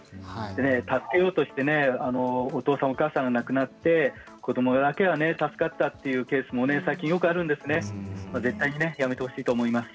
助けようとしてお父さんお母さんが亡くなって子どもだけが助かったというケースも最近よくあるんですね。